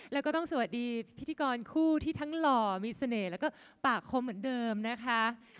แล้วก็ต้องสวัสดีพิธีกรคู่ที่ทั้งหล่อมีเสน่ห์แล้วก็ปากคมเหมือนเดิมนะคะ